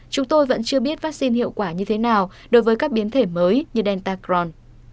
chúng tôi vẫn chưa biết vaccine hiệu quả như thế nào đối với các biến thể mới như delta cron